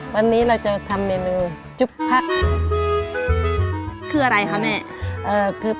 วันนี้เราจะทำเมนูจุ๊บผัก